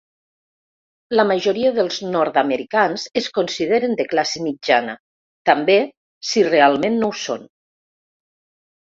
La majoria dels nord-americans es consideren de classe mitjana, també si realment no ho són.